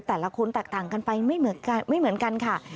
แต่ละคนแตกต่างกันไปไม่เหมือนกันค่ะ